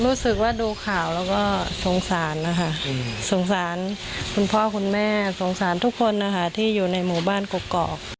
รู้สึกว่าดูข่าวแล้วก็สงสารนะคะสงสารคุณพ่อคุณแม่สงสารทุกคนนะคะที่อยู่ในหมู่บ้านกกอก